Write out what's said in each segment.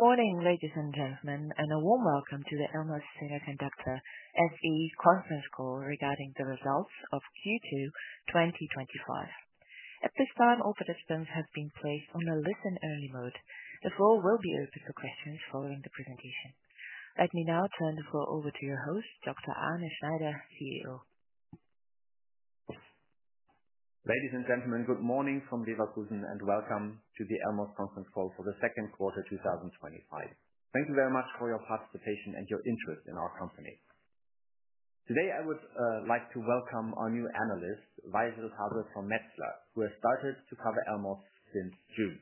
Good morning, ladies and gentlemen, and a warm welcome to the Elmos Semiconductor conference call regarding the results of Q2 2025. At this time, all participants have been placed on listen-only mode. The call will be open for questions following the presentation. Let me now turn the call over to your host, Dr. Arne Schneider, CEO. Ladies and gentlemen, good morning from Leverkusen, and welcome to the Elmos conference call for the second quarter 2025. Thank you very much for your participation and your interest in our company. Today, I would like to welcome our new analyst, Vaishal from Metzler, who has started to cover Elmos since June.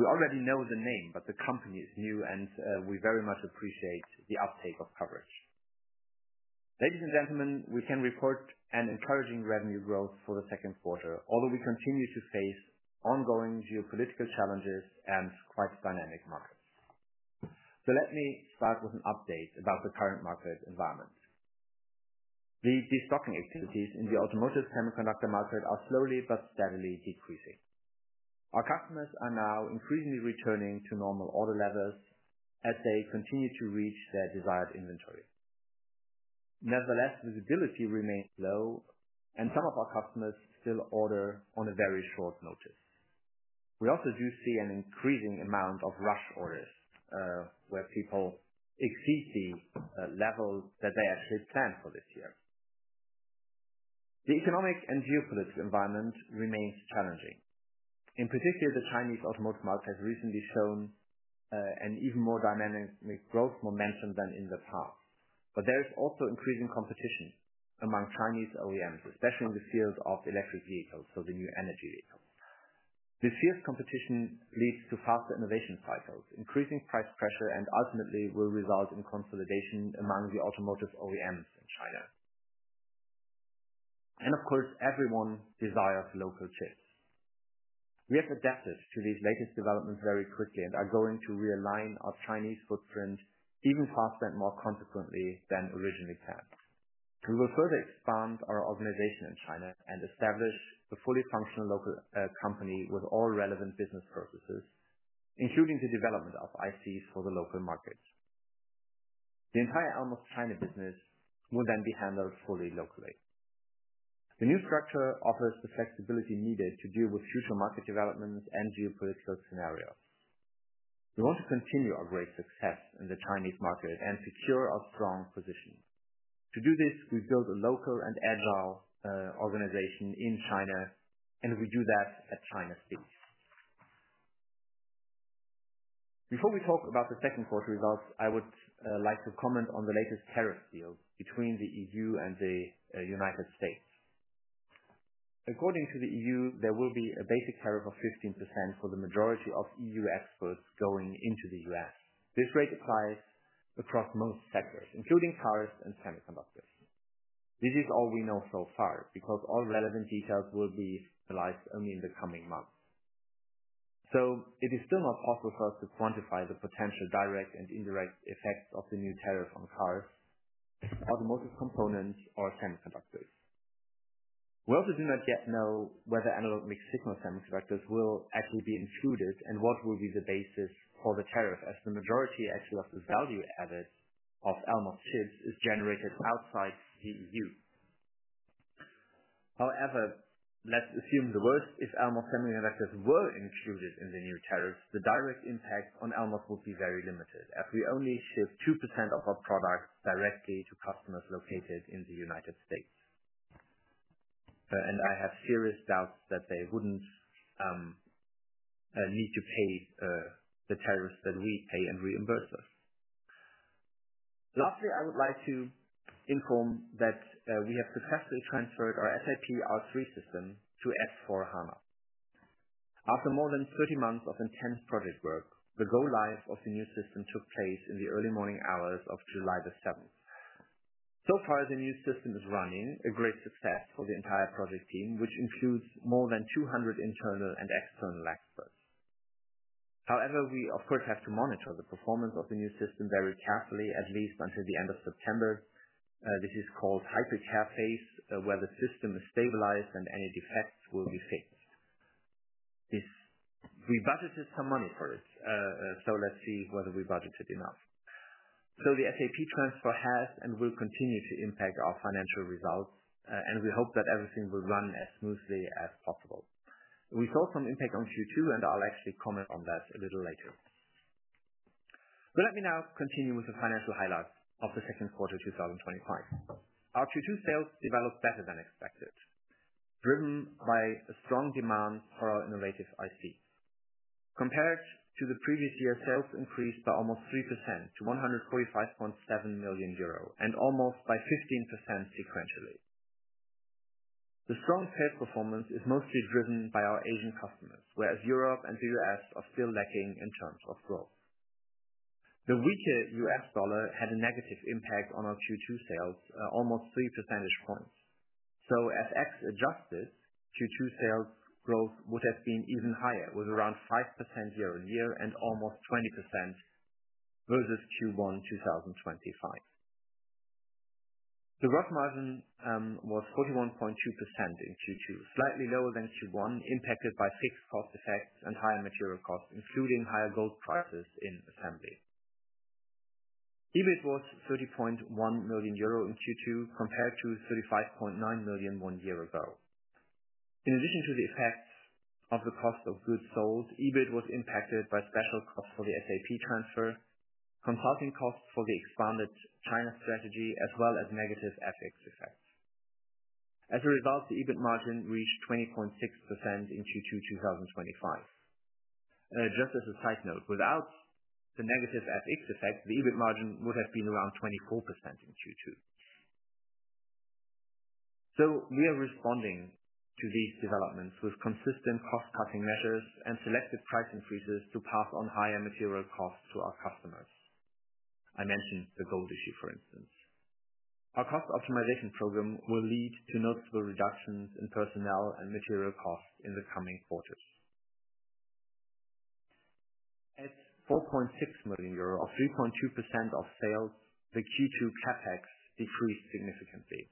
We already know the name, but the company is new, and we very much appreciate the uptake of coverage. Ladies and gentlemen, we can report an encouraging revenue growth for the second quarter, although we continue to face ongoing geopolitical challenges and quite dynamic markets. Let me start with an update about the current market environment. The stocking activities in the automotive semiconductor market are slowly but steadily decreasing. Our customers are now increasingly returning to normal order levels as they continue to reach their desired inventory. Nevertheless, visibility remains low, and some of our customers still order on a very short notice. We also do see an increasing amount of rush orders, where people exceed the level that they actually planned for this year. The economic and geopolitical environment remains challenging. In particular, the Chinese automotive market has recently shown an even more dynamic growth momentum than in the past. There is also increasing competition among Chinese OEMs, especially in the field of electric vehicles, so the new energy vehicle. This fierce competition leads to faster innovation cycles, increasing price pressure, and ultimately will result in consolidation among the automotive OEMs in China. Of course, everyone desires local chips. We have adapted to these latest developments very quickly and are going to realign our Chinese footprint even faster and more consequently than originally planned. We will further expand our organization in China and establish a fully functional local company with all relevant business purposes, including the development of ICs for the local markets. The entire Elmos China business will then be handled fully locally. The new structure offers the flexibility needed to deal with future market developments and geopolitical scenarios. We want to continue our great success in the Chinese market and secure our strong position. To do this, we build a local and agile organization in China, and we do that at China's pace. Before we talk about the second quarter results, I would like to comment on the latest tariff deal between the E.U. and the United States. According to the E.U., there will be a basic tariff of 15% for the majority of EU exports going into the U.S. This rate applies across most sectors, including cars and semiconductors. This is all we know so far because all relevant details will be released only in the coming months. It is still not possible for us to quantify the potential direct and indirect effects of the new tariff on cars, automotive components, or semiconductors. We also do not yet know whether analog mixed signal semiconductors will actually be included and what will be the basis for the tariff, as the majority of the value added of Elmos chips is generated outside the E.U. However, let's assume the worst is Elmos semiconductors were included in the new tariffs. The direct impact on Elmos will be very limited, as we only ship 2% of our product directly to customers located in the United States. I have serious doubts that they wouldn't need to pay the tariffs that we pay and reimburse us. Lastly, I would like to inform that we have successfully transferred our SAP R/3 system to SAP S/4HANA. After more than 30 months of intense project work, the go-live of the new system took place in the early morning hours of July 7th. So far, the new system is running, a great success for the entire project team, which includes more than 200 internal and external experts. We, of course, have to monitor the performance of the new system very carefully, at least until the end of September. This is called the hypercare phase, where the system is stabilized and any defects will be fixed. We budgeted some money for it, so let's see whether we budgeted enough. The SAP transfer has and will continue to impact our financial results, and we hope that everything will run as smoothly as possible. We saw some impact on Q2, and I'll actually comment on that a little later. Let me now continue with the financial highlights of the second quarter 2025. Our Q2 sales developed better than expected, driven by a strong demand for our innovative ICs. Compared to the previous year, sales increased by almost 3% to 145.7 million euro and almost by 15% sequentially. The strong sales performance is mostly driven by our Asian customers, whereas Europe and the U.S. are still lacking in terms of growth. The weaker U.S. dollar had a negative impact on our Q2 sales, almost 3 percentage points. As FX-adjusted, Q2 sales growth would have been even higher, with around 5% year-on-year and almost 20% versus Q1 2025. The gross margin was 41.2% in Q2, slightly lower than Q1, impacted by fixed cost effects and higher material costs, including higher gold prices in assembly. EBIT was 30.1 million euro in Q2 compared to 35.9 million one year ago. In addition to the effects of the cost of goods sold, EBIT was impacted by special costs for the SAP transfer, consulting costs for the expanded China strategy, as well as negative FX effects. As a result, the EBIT margin reached 20.6% in Q2 2025. Just as a side note, without the negative FX effect, the EBIT margin would have been around 24% in Q2. We are responding to these developments with consistent cost-cutting measures and selective price increases to pass on higher material costs to our customers. I mentioned the gold issue, for instance. Our cost optimization program will lead to notable reductions in personnel and material costs in the coming quarters. At 4.6 million euro or 3.2% of sales, the Q2 CapEx decreased significantly.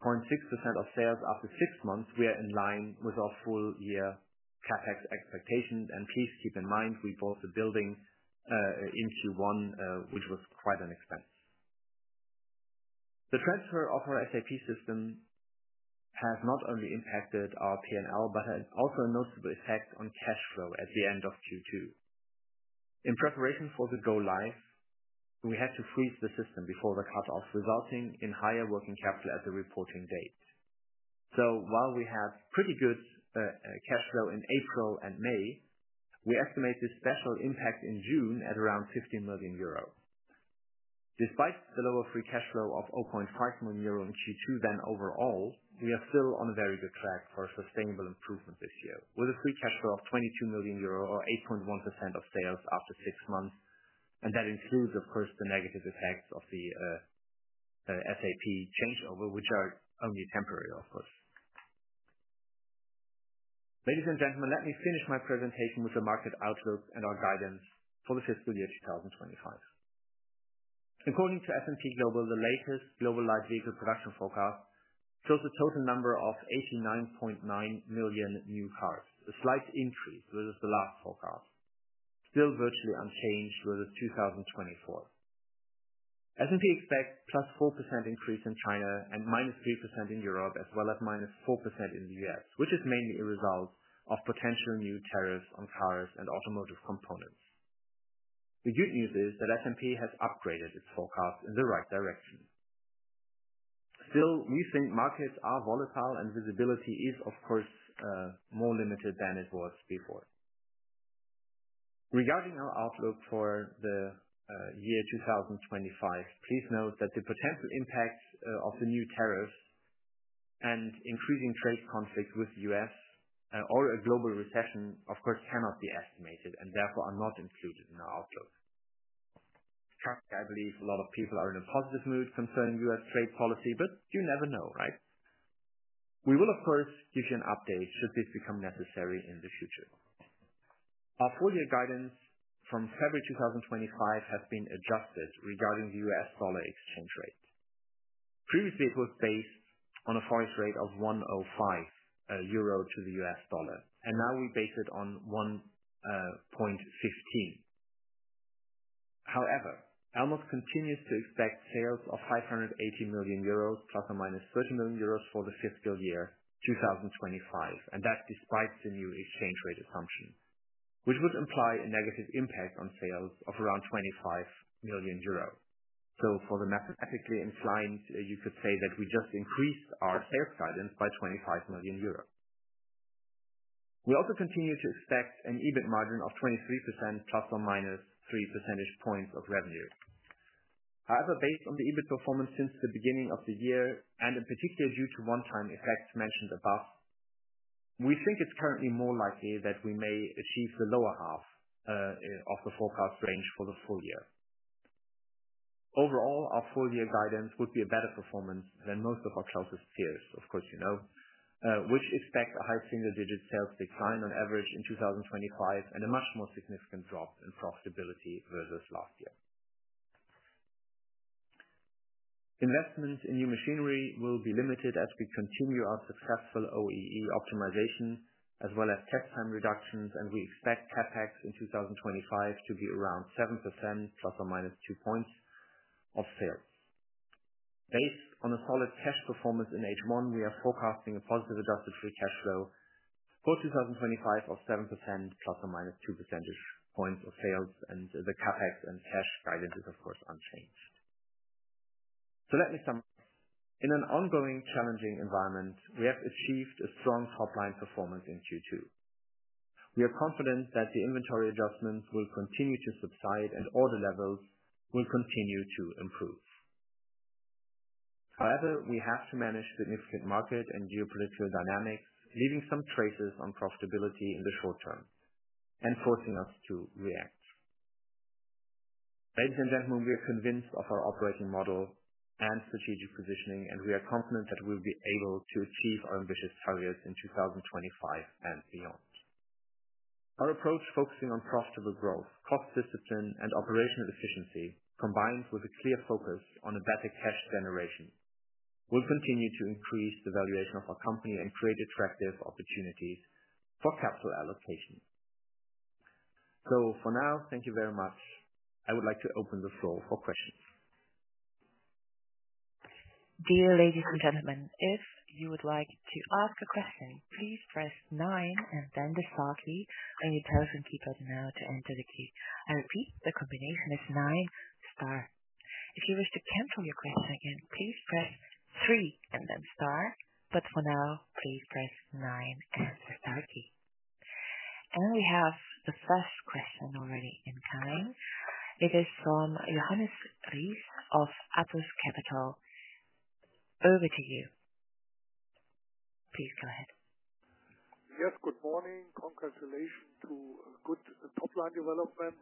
At 6.6% of sales after six months, we are in line with our full-year CapEx expectation. Please keep in mind, we bought a building in Q1, which was quite an expense. The transfer of our SAP system has not only impacted our P&L, but also had a notable effect on cash flow at the end of Q2. In preparation for the go-live, we had to freeze the system before the cutoff, resulting in higher working capital at the reporting date. While we had pretty good cash flow in April and May, we estimate this special impact in June at around 15 million euro. Despite the lower free cash flow of 0.5 million euro in Q2, overall, we are still on a very good track for sustainable improvements this year, with a free cash flow of 22 million euro or 8.1% of sales after six months. That includes, of course, the negative effects of the SAP changeover, which are only temporary, of course. Ladies and gentlemen, let me finish my presentation with the market outlook and our guidance for the fiscal year 2025. According to S&P Global, the latest global light vehicle production forecast shows a total number of 89.9 million new cars, a slight increase versus the last forecast, still virtually unchanged versus 2024. S&P expects a +4% increase in China and -3% in Europe, as well as -4% in the U.S., which is mainly a result of potential new tariffs on cars and automotive components. The good news is that S&P has upgraded its forecast in the right direction. Still, we think markets are volatile and visibility is, of course, more limited than it was before. Regarding our outlook for the year 2025, please note that the potential impacts of the new tariffs and increasing trade conflicts with the U.S. or a global recession, of course, cannot be estimated and therefore are not included in our outlook. I believe a lot of people are in a positive mood concerning U.S. trade policy, but you never know, right? We will, of course, give you an update should this become necessary in the future. Our four-year guidance from February 2025 has been adjusted regarding the U.S. dollar exchange rate. Previously, it was based on a forex rate of 1.05 euro to the U.S. dollar, and now we base it on 1.15. However, Elmos continues to expect sales of 580 million euros, ±30 million euros for the fiscal year 2025. That's despite the new exchange rate assumption, which would imply a negative impact on sales of around 25 million euros. For the macro-epically inclined, you could say that we just increased our sales guidance by 25 million euros. We also continue to expect an EBIT margin of 23%, ±3 percentage points of revenue. However, based on the EBIT performance since the beginning of the year, and in particular due to one-time effects mentioned above, we think it's currently more likely that we may achieve the lower half of the forecast range for the full year. Overall, our four-year guidance would be a better performance than most of our closest peers, which expect a higher single-digit sales decline on average in 2025 and a much more significant drop in profitability versus last year. Investments in new machinery will be limited as we continue our successful OEE optimization, as well as test time reductions, and we expect CapEx in 2025 to be around 7%, ±2 points of sales. Based on a solid test performance in H1, we are forecasting a positive adjusted free cash flow for 2025 of 7%, ±2 percentage points of sales, and the CapEx and test guidance is, of course, unchanged. Let me sum up. In an ongoing challenging environment, we have achieved a strong top-line performance in Q2. We are confident that the inventory adjustments will continue to subside and order levels will continue to improve. However, we have to manage significant market and geopolitical dynamics, leaving some traces on profitability in the short term and forcing us to react. Ladies and gentlemen, we are convinced of our operating model and strategic positioning, and we are confident that we'll be able to achieve our ambitious targets in 2025 and beyond. Our approach, focusing on profitable growth, cost discipline, and operational efficiency, combined with a clear focus on better cash generation, will continue to increase the valuation of our company and create attractive opportunities for capital allocation. Thank you very much. I would like to open the floor for questions. Dear ladies and gentlemen, if you would like to ask a question, please press nine and then the star key. You tell us in people now to answer the key. It will be the combination of nine and star. If you wish to cancel your question, please press three and then star. For now, please press nine and then press the key. We have the first question already in mind. It is from Johannes Ries of Apus Capital. Over to you. Please go ahead. Yes, good morning. Congratulations to a good top-line development.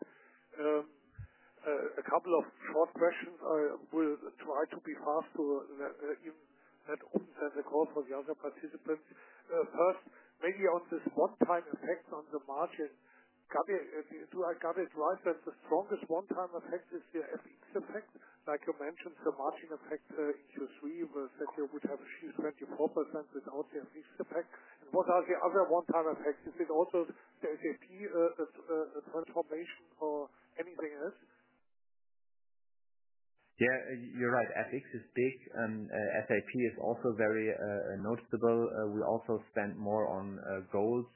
A couple of short questions. I will try to be faster than even that open-sensor call for the other participants. First, maybe on this one-time effects on the margin. Got it. Do I got it right? The strongest one-time effects is the FX effect. Like you mentioned, the margin effect is a three, whereas I think we would have seen 24% without the FX effect. What are the other one-time effects? Is it also the SAP transformation or anything else? Yeah, you're right. FX is big, and SAP is also very noticeable. We also spend more on gold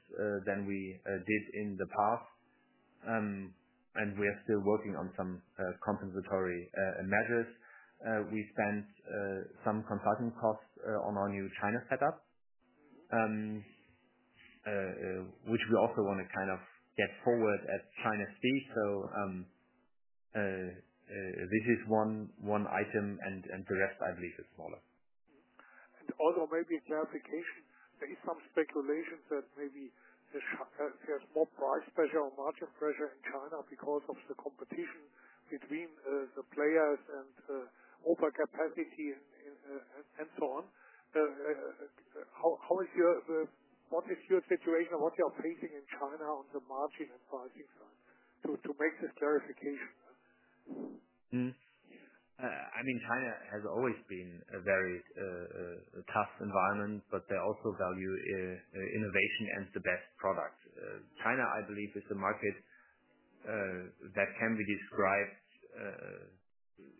than we did in the past. We are still working on some compensatory measures. We spent some consulting costs on our new China setup, which we also want to kind of get forward as China speaks. This is one item, and the rest, I believe, is smaller. Maybe a clarification. There is some speculation that maybe there's more price pressure or margin pressure in China because of the competition between the players and overcapacity and so on. What is your situation or what they are facing in China on the margin and pricing side to make this clarification? I mean, China has always been a very tough environment, but they also value innovation and the best product. China, I believe, is the market that can be described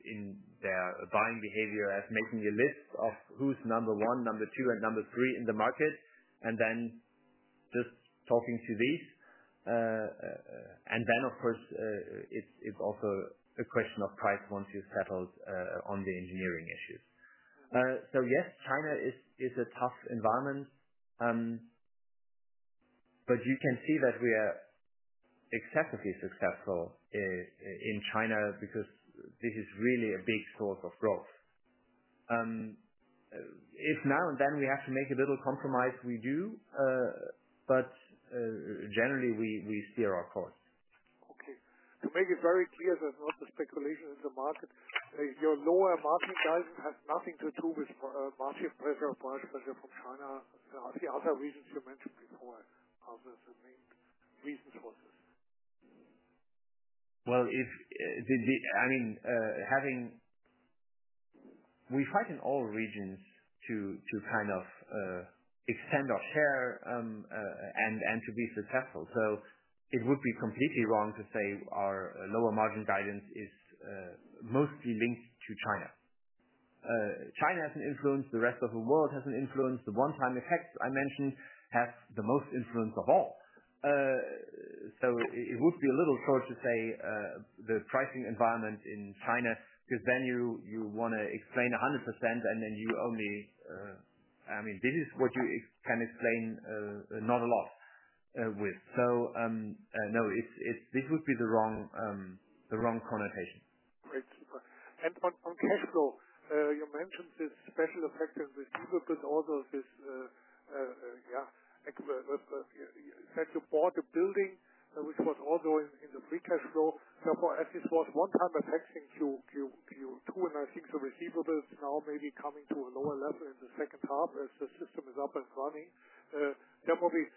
in their buying behavior as making a list of who's number one, number two, and number three in the market, and then just talking to these. Of course, it's also a question of price once you settle on the engineering issues. Yes, China is a tough environment. You can see that we are excessively successful in China because this is really a big source of growth. If now and then we have to make a little compromise, we do. Generally, we steer our course. Okay. Make it very clear that not the speculation is the market. Your lower margin size has nothing to do with market pressure or price pressure for China. There are the other reasons you mentioned before, other than the main reasons. If I mean, having we fight in all regions to kind of extend our pair and to be successful. It would be completely wrong to say our lower margin guidance is mostly linked to China. China has an influence. The rest of the world has an influence. The one-time effect I mentioned has the most influence of all. It would be a little cruel to say the pricing environment in China because then you want to explain 100%, and then you only, I mean, this is what you can explain not a lot with. No, this would be the wrong connotation. On cash flow, you mentioned this special effect in receivable, although this, yeah, you bought a building, which was also in the free cash flow. As this was a one-time effect in Q2, and I think the receivables now may be coming to a lower level in the second half as the system is up and running. Definitely,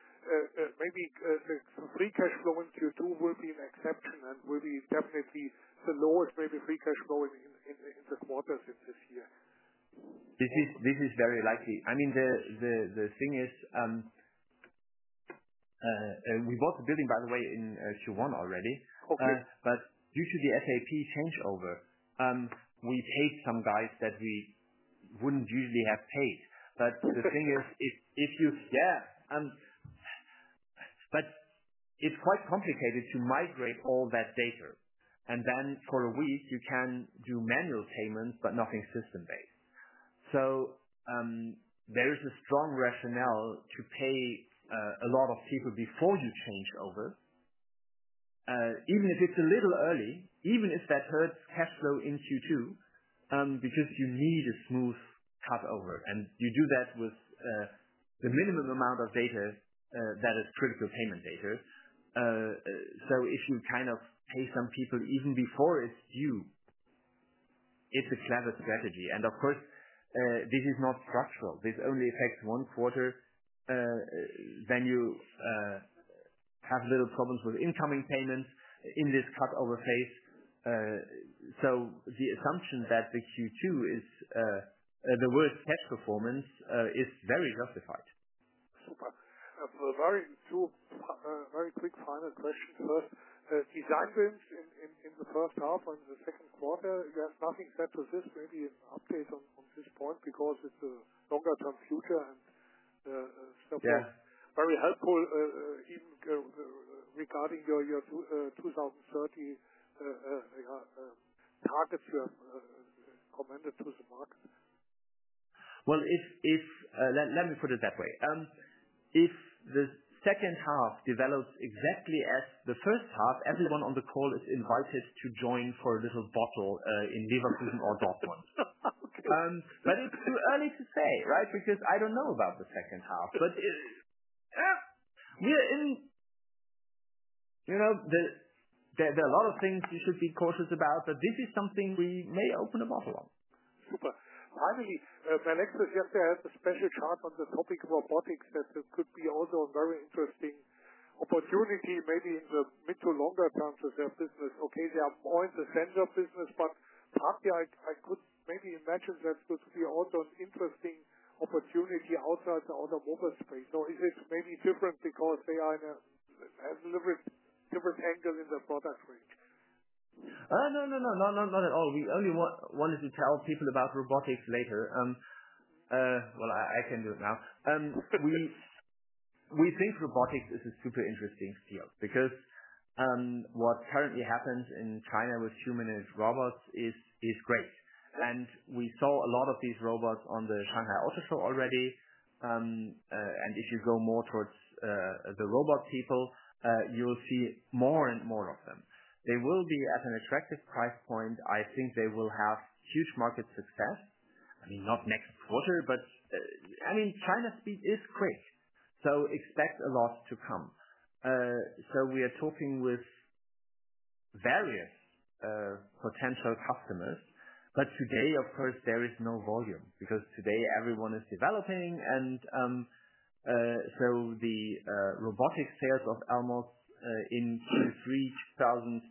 maybe the free cash flow in Q2 will be an exception and will be definitely the lowest maybe free cash flow in the quarters this year. This is very likely. I mean, the thing is, we bought a building, by the way, in Q1 already. Due to the SAP changeover, we paid some guys that we wouldn't usually have paid. The thing is, it's quite complicated to migrate all that data. For a week, you can do manual payments, but nothing system-based. There is a strong rationale to pay a lot of people before you change over, even if it's a little early, even if that hurts cash flow in Q2, because you need a smooth cut over. You do that with the minimum amount of data that is critical payment data. If you kind of pay some people even before it's due, it's a clever strategy. Of course, this is not structural. This only affects one quarter. You have little problems with incoming payments in this cut-over phase. The assumption that Q2 is the worst set performance is very justified. Very short, very quick final question to us. Designed in the first half or in the second quarter, there's nothing that's resisted, maybe an update on this point because it's a longer-term future and very helpful even regarding your 2030 targets you're committed to the market. If the second half develops exactly as the first half, everyone on the call is invited to join for a little bottle in Leverkusen or Dortmund. It is too early to say, right? I do not know about the second half. There are a lot of things you could be cautious about, but this is something we may open a bottle on. Super. I believe my next suggestion has a special chart on the topic of robotics that could be also a very interesting opportunity maybe in the mid to longer term for their business. Okay, they are more in the center of business, but partly I could maybe imagine that you could see also an interesting opportunity outside the automotive space. No, it is maybe different because they are in a little bit different angle in the product range. Not at all. We only wanted to tell people about robotics later. I can do it now. We think robotics is a super interesting field because what currently happens in China with humanoid robots is great. We saw a lot of these robots at the Shanghai Autoshow already. If you go more towards the robot people, you will see more and more of them. They will be at an attractive price point. I think they will have huge market success. I mean, not next quarter, but China's speed is quick. Expect a lot to come. We are talking with various potential customers. Today, of course, there is no volume because everyone is developing. The robotics sales of Elmos Semiconductor SE in 2025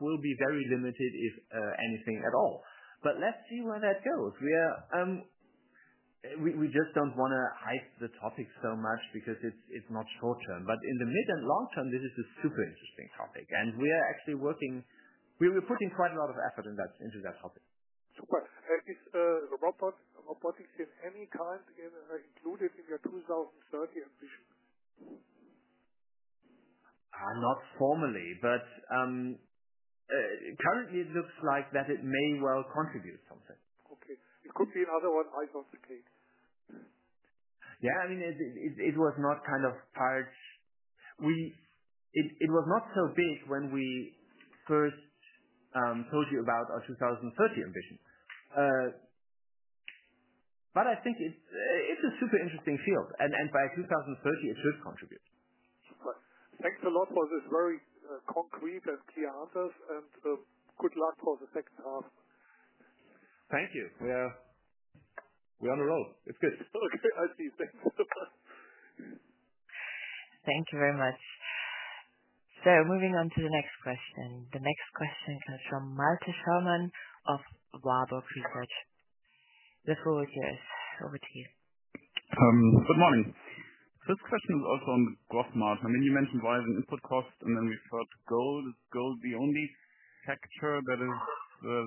will be very limited, if anything at all. Let's see where that goes. We just don't want to hype the topic so much because it's not short term. In the mid and long term, this is a super interesting topic. We are actually working. We're putting quite a lot of effort into that topic. Super. Is robotics of any kind included in your 2030 ambition? Not formally, but currently it looks like that it may well contribute something. Okay. It could be another one, icing on the cake. Yeah, I mean, it was not kind of part. It was not so big when we first told you about our 2030 ambition. I think it's a super interesting field, and by 2030, it should contribute. Thanks a lot for these very concrete and key answers. Good luck for the next half. Thank you. We are on a roll. It's good. Okay, I see. Thank you. Thank you very much. Moving on to the next question. The next question is from Malte Schaumann of Warburg Research. Looking forward to it. Over to you. Good morning. This question is also on the gross margin. I mean, you mentioned rising input costs, and then we've heard gold. Is gold the only factor that is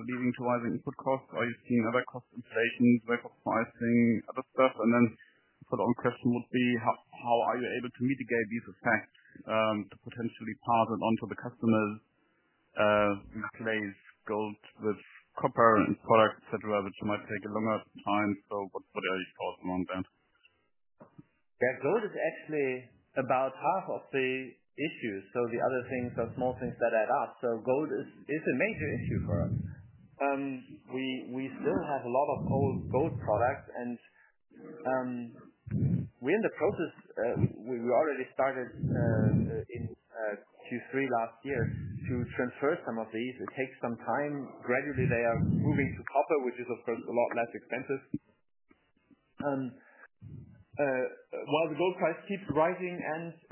leading to rising input costs? Are you seeing other cost inflations, wafer pricing, other stuff? The follow-up question would be, how are you able to mitigate these effects to potentially pass it on to the customers? We replace gold with copper in products, etc., which might take a longer time. What are your thoughts on that? Yeah, gold is actually about half of the issue. The other things, the small things that I'd ask. Gold is a major issue for us. We still have a lot of old gold products, and we're in the process. We already started in Q3 last year to transfer some of these. It takes some time. Gradually, they are moving to copper, which is, of course, a lot less expensive. While the gold price keeps rising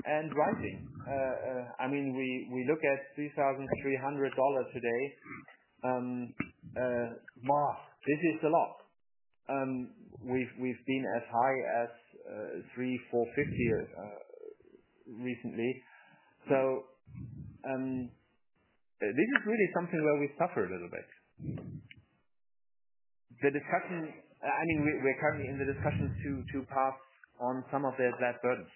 and rising, I mean, we look at $3,300 today. Wow, this is a lot. We've been as high as $3,450 recently. This is really something where we suffer a little bit. The discussion, I mean, we're currently in the discussions to pass on some of their black burns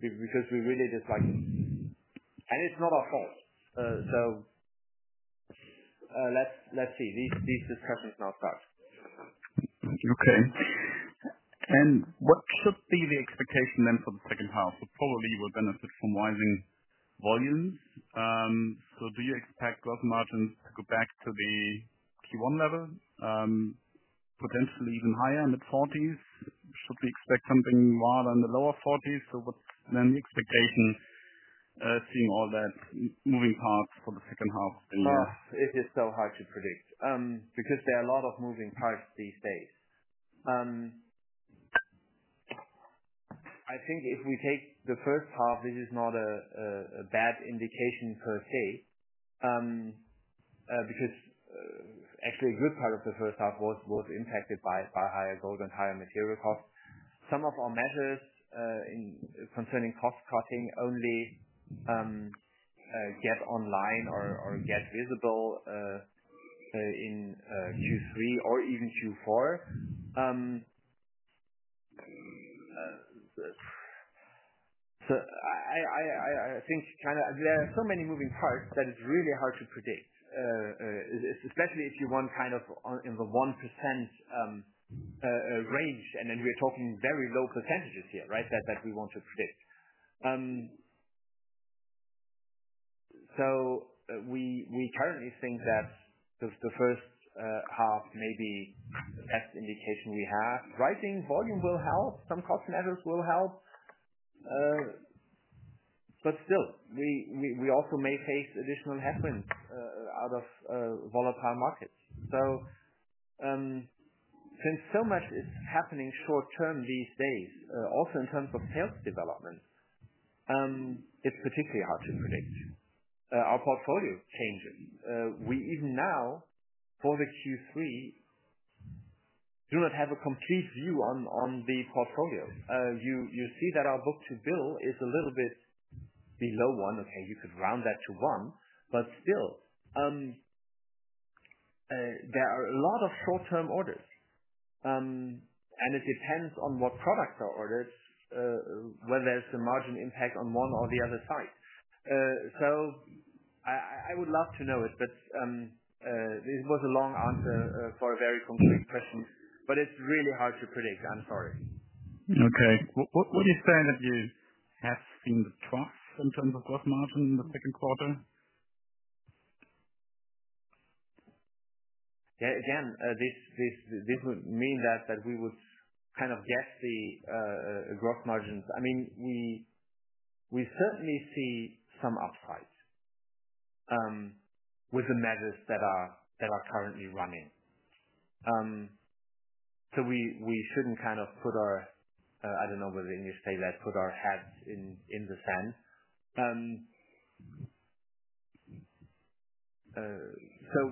because we really dislike them. It's not our fault. Let's see. These discussions are not bad. Okay. What could be the expectation then for the second half? It probably will benefit from rising volumes. Do you expect gross margins to go back to the Q1 level, potentially even higher, mid-40%? Should we expect something rather in the lower 40%? What is the expectation seeing all that moving parts for the second half of the year? It is so hard to predict because there are a lot of moving parts these days. I think if we take the first half, this is not a bad indication per se because actually a good part of the first half was impacted by higher gold and higher material costs. Some of our methods concerning cost cutting only get online or get visible in Q3 or even Q4. I think there are so many moving parts that it's really hard to predict, especially if you want in the 1% range. We're talking very low percentages here, right, that we want to predict. We currently think that the first half may be the best indication we have. Rising volume will help. Some cost methods will help. We also may face additional headwinds out of volatile markets. Since so much is happening short-term these days, also in terms of sales developments, it's particularly hard to predict. Our portfolio changes. Even now, for Q3, we do not have a complete view on the portfolio. You see that our book-to-bill is a little bit below one. You could round that to one. There are a lot of short-term orders. It depends on what products are ordered, whether there's a margin impact on one or the other side. I would love to know it, but it was a long answer for a very concrete question. It's really hard to predict. I'm sorry. Okay. Would you say that you have seen the trust in terms of gross margin in the second quarter? Yeah, this would mean that we would kind of guess the gross margins. I mean, we certainly see some uptrends with the methods that are currently running. We shouldn't kind of put our, I don't know whether you say that, put our hats in the sand.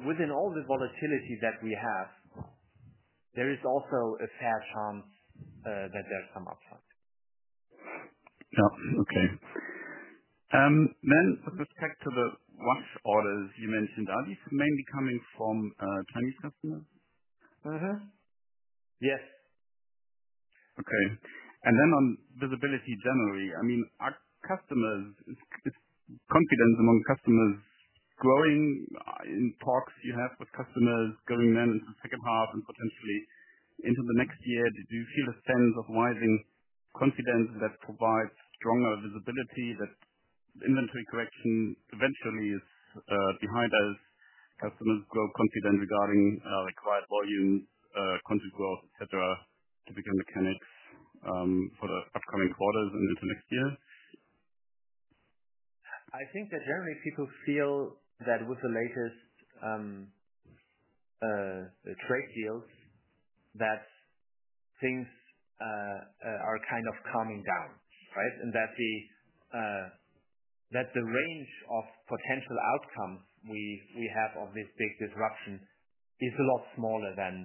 Within all the volatility that we have, there is also a fair chance that there's some uptrends. Okay. With respect to the watch orders you mentioned, are these mainly coming from Chinese customers? Yes. Okay. On visibility generally, are customers, is confidence among customers growing in talks you have with customers going into the second half and potentially into the next year? Do you feel a sense of rising confidence that provides stronger visibility that inventory correction eventually is behind as customers grow confident regarding required volume, country growth, etc., typical mechanics for the upcoming quarters and into next year? I think that generally people feel that with the latest trade deals, things are kind of calming down, right? The range of potential outcomes we have of this big disruption is a lot smaller than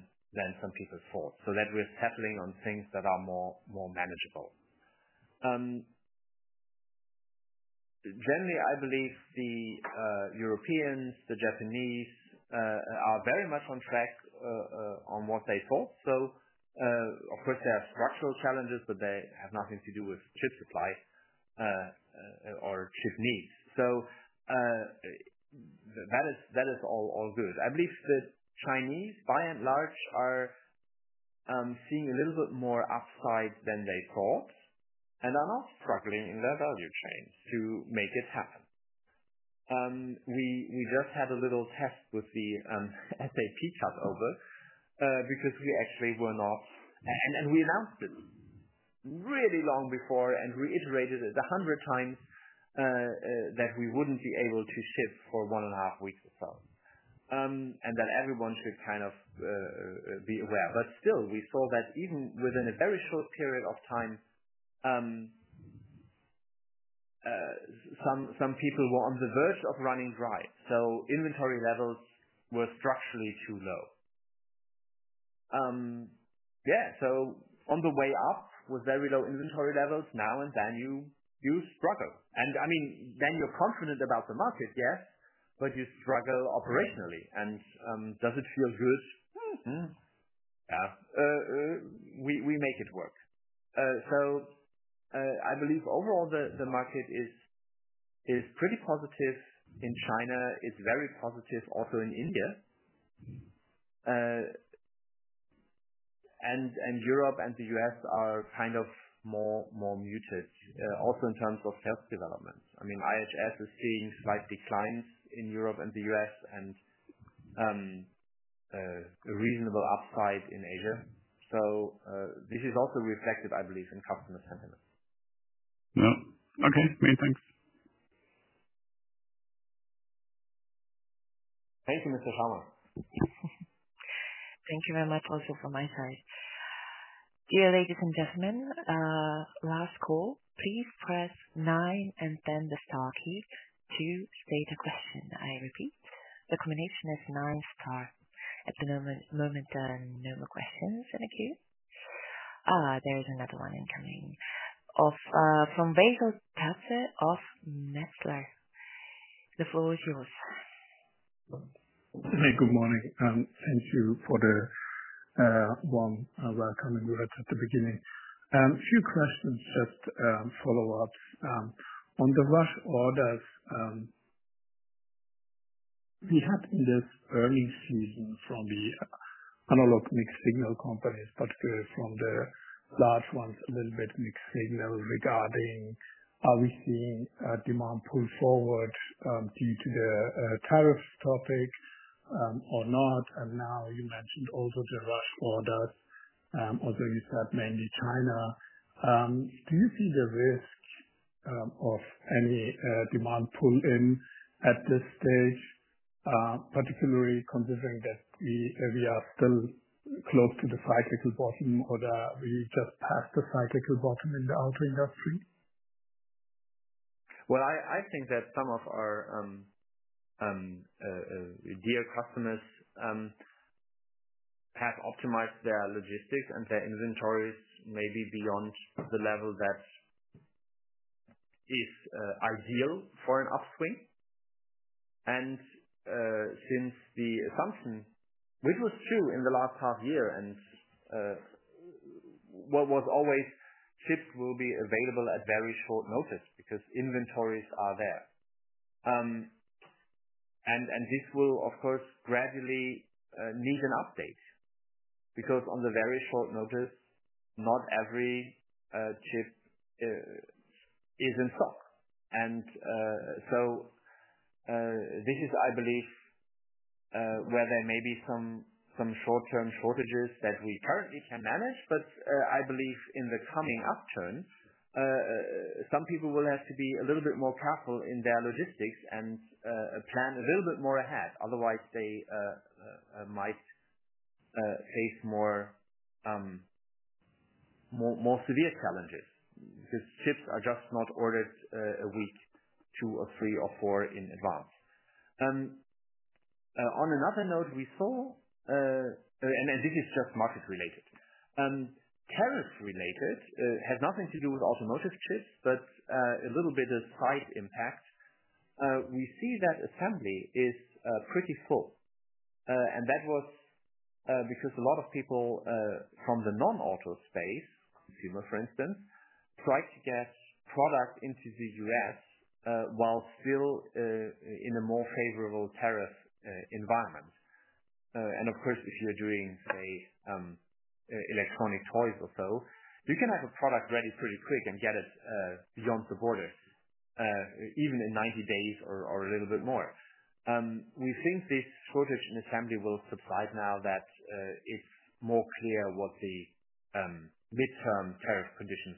some people thought. We're tackling on things that are more manageable. Generally, I believe the Europeans, the Japanese are very much on track on what they thought. Of course, there are structural challenges, but they have nothing to do with chip supply or chip needs. That is all good. I believe the Chinese, by and large, are seeing a little bit more upside than they thought and are not struggling in their value chains to make it happen. We just had a little test with the SAP chart over because we actually were not, and we announced it really long before and reiterated it 100x that we wouldn't be able to shift for one and a half weeks or so, and that everyone should kind of be aware. Still, we saw that even within a very short period of time, some people were on the verge of running dry. Inventory levels were structurally too low. On the way up with very low inventory levels, now and then you struggle. I mean, you're confident about the market, yes, but you struggle operationally. Does it feel good? Yeah. We make it work. I believe overall the market is pretty positive in China. It's very positive also in India. Europe and the U.S. are kind of more muted also in terms of self-development. IHS is seeing slight declines in Europe and the U.S. and a reasonable upside in Asia. This is also reflected, I believe, in customer sentiment. Yeah, okay. Many thanks. Thank you, Mr. Schaumann. Thank you very much also from my side. Dear ladies and gentlemen, last call, please press nine and then the star key to state a question. I repeat, the combination is nine star. At the moment, there are no more questions in the queue. There was another one incoming. From Vaishal Tagore of Metzler, the floor is yours. Hey, good morning. Thank you for the warm welcoming you had at the beginning. A few questions, just follow-ups. On the work orders we had in this early season from the analog mixed signal companies, particularly from the large ones, a little bit mixed signal regarding are we seeing demand pull forwards due to the tariffs topics or not? You mentioned also the work orders, although you said mainly China. Do you see the risk of any demand pull-in at this stage, particularly considering that we are still close to the cyclical bottom or that we just passed the cyclical bottom in the auto industry? I think that some of our dear customers have optimized their logistics and their inventories may be beyond the level that is ideal for an upswing. Since the assumption, which was true in the last half year, and what was always, chips will be available at very short notice because inventories are there. This will, of course, gradually need an update because on the very short notice, not every chip is in stock. This is, I believe, where there may be some short-term shortages that we currently can manage. I believe in the coming upturn, some people will have to be a little bit more careful in their logistics and plan a little bit more ahead. Otherwise, they might face more severe challenges because chips are just not ordered a week, two, or three, or four in advance. On another note, we saw, and this is just market-related, tariff-related, has nothing to do with automotive chips, but a little bit of side impact. We see that assembly is pretty full. That was because a lot of people from the non-auto space, consumer, for instance, tried to get product into the U.S. while still in a more favorable tariff environment. If you're doing, say, electronic toys or so, you can have a product ready pretty quick and get it beyond the borders, even in 90 days or a little bit more. We think this shortage in assembly will subside now that it's more clear what the midterm tariff conditions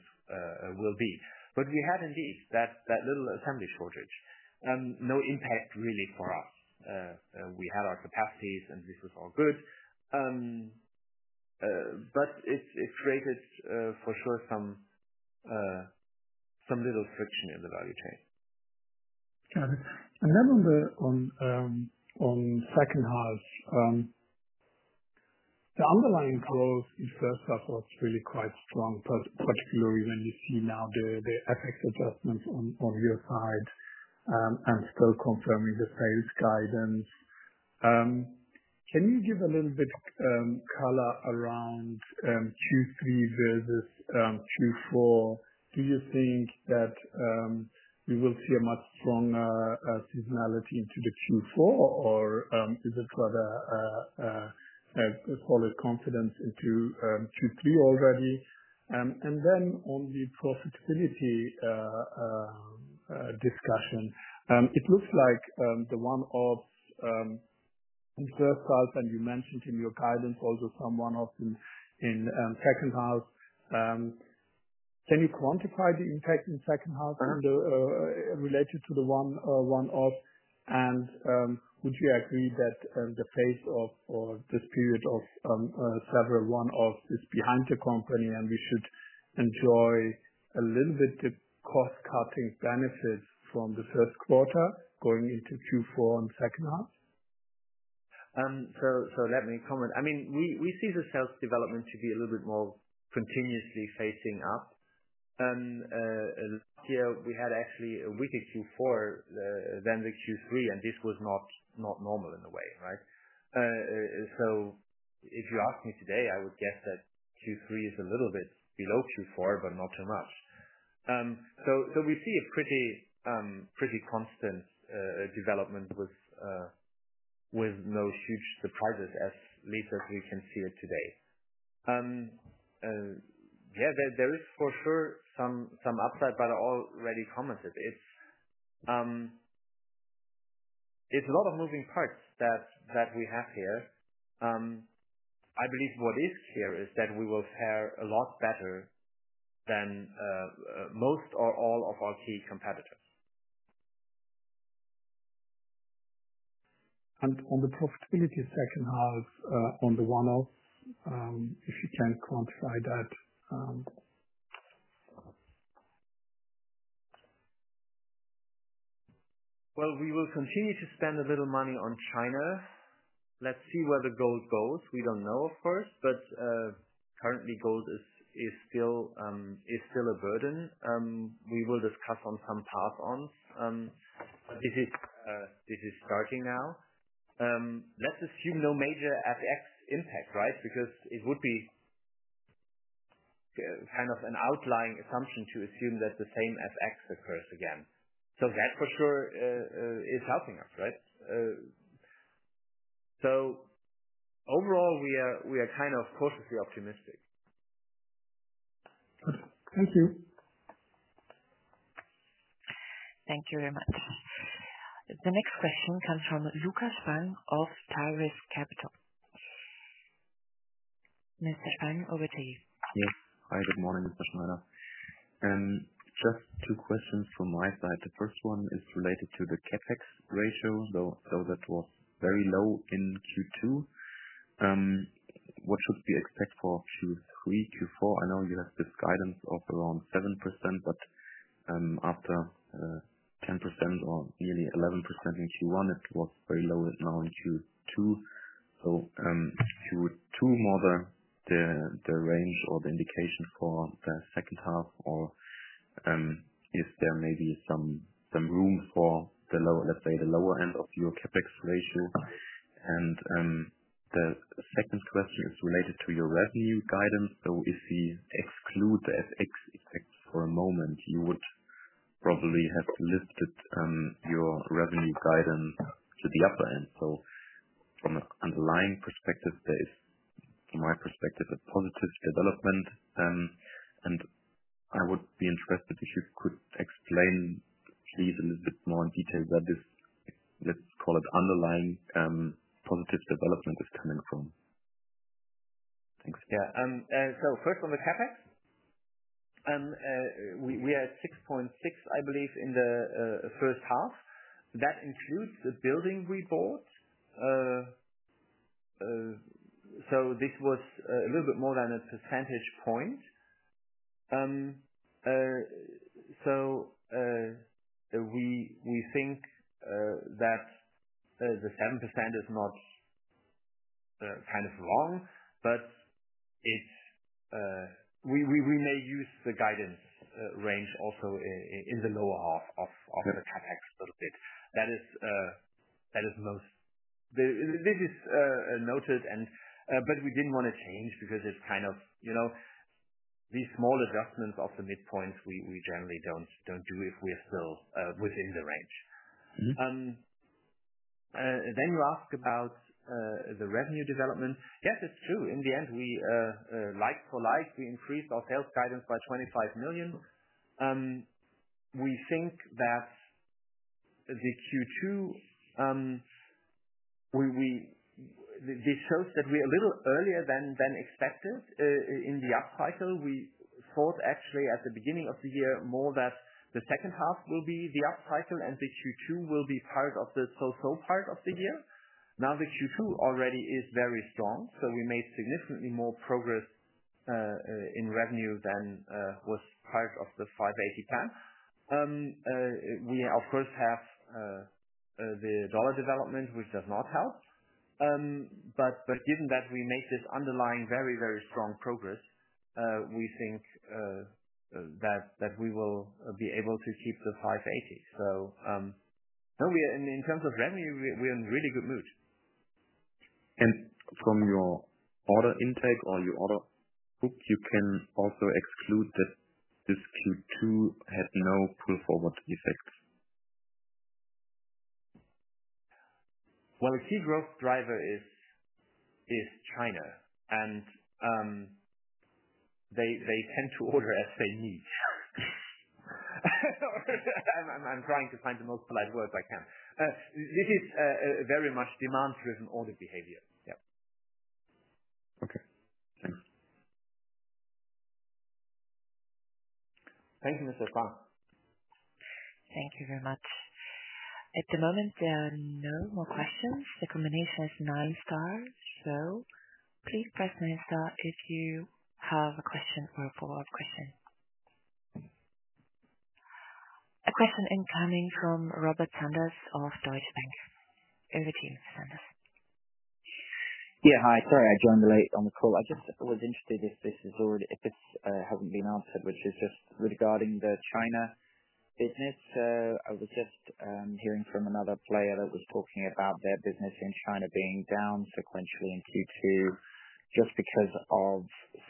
will be. We had indeed that little assembly shortage. No impact really for us. We had our capacities, and this was all good. It created for sure some little friction in the value chain. Got it. On the second half, the underlying growth in the first half was really quite strong, particularly when you see now the FX effects adjustments on your side and still confirming the phase guidance. Can you give a little bit of color around Q3 versus Q4? Do you think that we will see a much stronger seasonality into Q4, or is it rather a confidence into Q3 already? On the profitability discussion, it looks like the one-offs in the first half that you mentioned in your guidance, also some one-offs in the second half. Can you quantify the impact in the second half related to the one-off? Would you agree that the phase of or this period of several one-offs is behind the company, and we should enjoy a little bit of cost-cutting benefits from the first quarter going into Q4 and second half? Let me comment. I mean, we see the sales development to be a little bit more continuously fading up. Here, we had actually a weaker Q4 than Q3, and this was not normal in a way, right? If you ask me today, I would guess that Q3 is a little bit below Q4, but not too much. We see a pretty constant development with no huge surprises as little as we can see it today. There is for sure some upside, but I already commented. It's a lot of moving parts that we have here. I believe what is here is that we will fare a lot better than most or all of our key competitors. On the profitability of the second half on the one-off, if you can quantify that. We will continue to spend a little money on China. Let's see where the gold goes. We don't know, of course, but currently, gold is still a burden. We will discuss on some path ons. This is starting now. Let's assume no major FX impact, right? It would be kind of an outlying assumption to assume that the same FX occurs again. That for sure is helping us, right? Overall, we are kind of cautiously optimistic. Thank you. Thank you very much. The next question comes from Lukas Spang of Tigris Capital. Mr. Spang, over to you. Yeah. Hi. Good morning, Mr. Fanger. Just two questions from my side. The first one is related to the CapEx ratio, though that was very low in Q2. What should we expect for Q3, Q4? I know you have this guidance of around 7%, but after 10% or nearly 11% in Q1, it was very low now in Q2. Is Q2 more the range or the indication for the second half, or is there maybe some room for the lower end of your CapEx ratio? The second question is related to your revenue guidance. If we exclude the FX effect for a moment, you would probably have lifted your revenue guidance to the upper end. From an underlying perspective, there is, from my perspective, a positive development. I would be interested if you could explain these a little bit more in detail. That is, let's call it underlying positive development is coming from. Thanks. Yeah. First on the CapEx, we are at EUR 6.6 million, I believe, in the first half. That includes a building reward. This was a little bit more than a percentage point. We think that the 7% is not kind of wrong, but we may use the guidance range also in the lower half of the CapEx a little bit. This is noted, but we didn't want to change because it's kind of, you know, these small adjustments of the midpoints we generally don't do if we are still within the range. You asked about the revenue development. Yes, it's true. In the end, like for like, we increased our sales guidance by 25 million. We think that Q2 shows that we're a little earlier than expected in the upcycle. We thought actually at the beginning of the year more that the second half will be the upcycle and Q2 will be part of the so-so part of the year. Now Q2 already is very strong. We made significantly more progress in revenue than was part of the 580 million plan. We, of course, have the dollar development, which does not help. Given that we make this underlying very, very strong progress, we think that we will be able to keep the 580 million. In terms of revenue, we're in a really good mood. From your order intake or your order book, you can also exclude that this Q2 had no pull-forward effect. The key growth driver is China. They tend to order as they need. I'm trying to find the most polite word I can. This is very much demand-driven order behavior. Thank you, Mr. Schneider. Thank you very much. At the moment, there are no more questions. The combination is nine star, so please press nine star if you have a question or a follow-up question. A question incoming from Robert Sanders of Deutsche Bank. Over to you, Sanders. Yeah, hi. Sorry, I joined late on the call. I just was interested if this is already, if it hasn't been answered, which is just regarding the China business. I was just hearing from another player that was talking about their business in China being down sequentially in Q2 just because of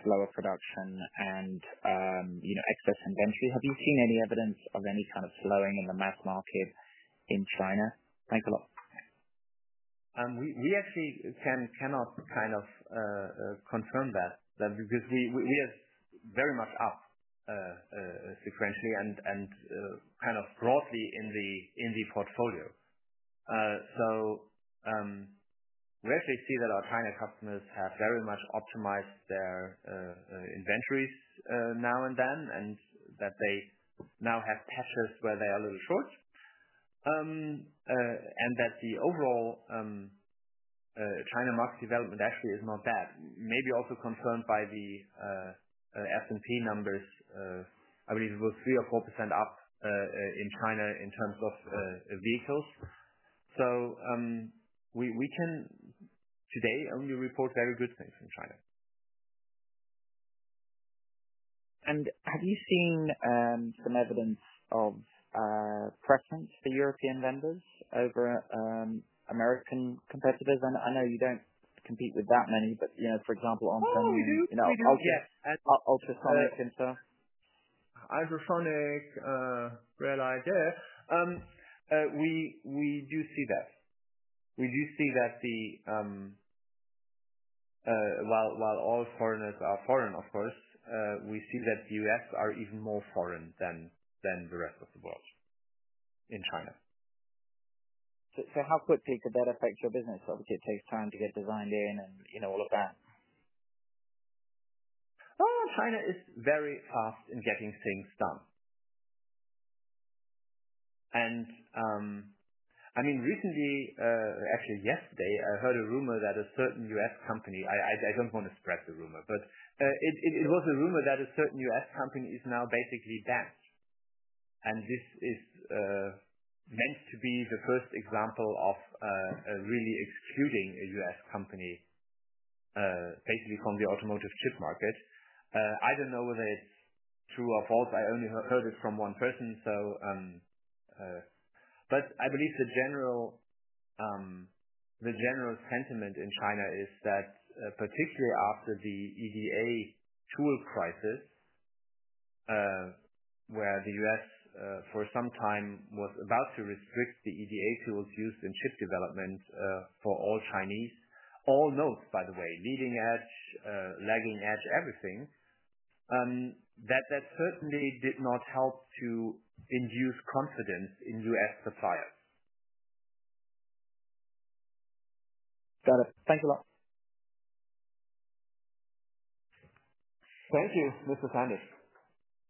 slower production and exports and entry. Have you seen any evidence of any kind of slowing in the mass market in China? Thanks a lot. We actually cannot confirm that because we are very much up sequentially and broadly in the portfolio. We actually see that our China customers have very much optimized their inventories now, and that they now have caches where they are a little short. The overall China market development actually is not bad, maybe also confirmed by the S&P numbers. I believe it was 3% or 4% up in China in terms of vehicles. We can today only report very good things in China. Have you seen some evidence of preference for European vendors over American competitors? I know you don't compete with that many, but for example, on some new. Oh, yes. Ultrasonic Center. Ultrasonic, great idea. We do see that. We do see that while all foreigners are foreign, of course, we see that the U.S. are even more foreign than the rest of the world in China. How quickly could that affect your business? Obviously, it takes time to get designed in and all of that. China is very fast in getting things done. Recently, actually yesterday, I heard a rumor that a certain U.S. company, I don't want to spread the rumor, but it was a rumor that a certain U.S. company is now basically dead. This is meant to be the first example of really excluding a U.S. company, basically from the automotive chip market. I don't know whether it's true or false. I only heard it from one person. I believe the general sentiment in China is that particularly after the EDA tool crisis, where the U.S. for some time was about to restrict the EDA tools used in chip development for all Chinese, all nodes, by the way, leading edge, lagging edge, everything, that certainly did not help to induce confidence in U.S. suppliers. Got it. Thanks a lot. Thank you, Mr. Sanders.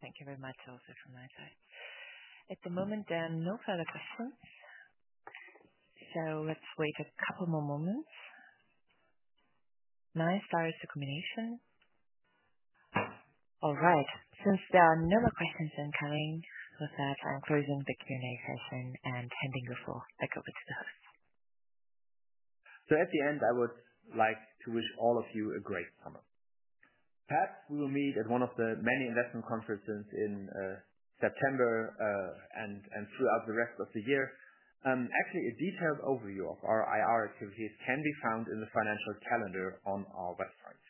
Thank you very much also from my side. At the moment, there are no further questions. Let's wait a couple more moments. Nine stars for the combination. All right. Since there are no more questions incoming, with that, I'm freeing the Q&A session and handing it back over to the host. At the end, I would like to wish all of you a great summer. Perhaps we'll meet at one of the many investment conferences in September and throughout the rest of the year. Actually, a detailed overview of our IR activities can be found in the financial calendar on our website.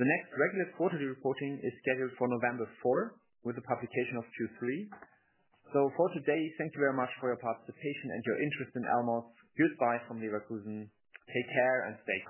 The next regular quarterly reporting is scheduled for November 4 with the publication of Q3. For today, thank you very much for your participation and your interest in Elmos. Goodbye from Leverkusen. Take care and stay.